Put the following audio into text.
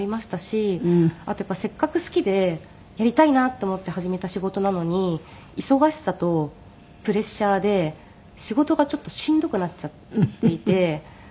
あとやっぱりせっかく好きでやりたいなと思って始めた仕事なのに忙しさとプレッシャーで仕事がちょっとしんどくなっちゃっていて。